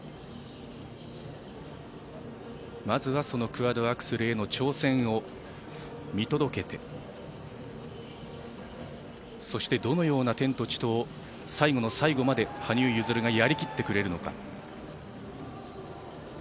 まずはそのクワッドアクセルへの挑戦を見届けてそしてどのような「天と地と」を最後の最後まで羽生結弦がやりきってくれるのか。